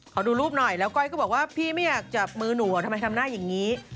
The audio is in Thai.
ดูรูปหน่อยแล้วก้อยก็บอกว่าพี่ไม่อยากจับมือหนูทำไมทำหน้าอย่างนี้